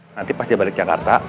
nanti pas dia balik jakarta